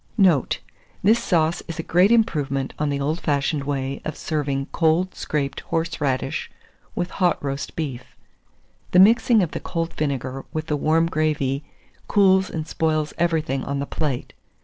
Note. This sauce is a great improvement on the old fashioned way of serving cold scraped horseradish with hot roast beef. The mixing of the cold vinegar with the warm gravy cools and spoils everything on the plate.